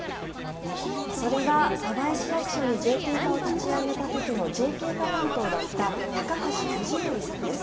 それが鯖江市役所にＪＫ課を立ち上げた時のＪＫ課担当だった高橋藤憲さんです。